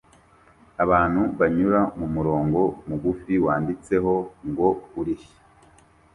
Abantu banyura mumurongo mugufi wanditseho ngo "urihe?"